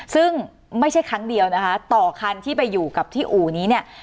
ซึ่งไม่ใช่ครั้งเดียวนะคะต่อคันที่ไปอยู่กับที่อู่นี้เนี่ย